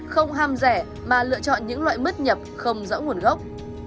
không ham rẻ mà lựa chọn những loại mứt nhập không rõ nguồn gốc